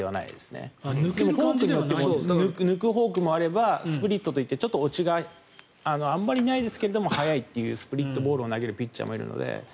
でもフォークによって抜くフォークもあればスプリットと言ってあまり落ちないですが速いスプリットボールを投げるピッチャーもいるので。